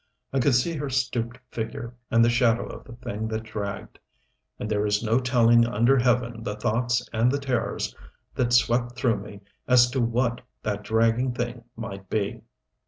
I could see her stooped figure, and the shadow of the thing that dragged. And there is no telling under Heaven the thoughts and the terrors that swept through me as to what that dragging thing might be.